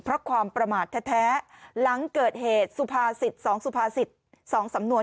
เพราะความประมาทแท้หลังเกิดเหตุสุภาษิต๒สุภาษิต๒สำนวน